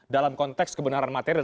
dalam konteks kebenaran material